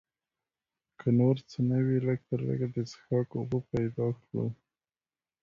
که نور څه نه وي لږ تر لږه د څښاک اوبه پیدا کړو.